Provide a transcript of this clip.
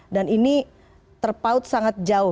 dan ini terpaut sangat jauh